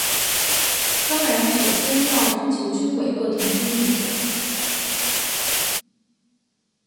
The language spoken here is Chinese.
当然首先要征求军委各同志意见。